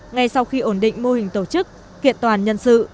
ngay sau khi ổn định mô hình tổ chức kiện toàn nhân sự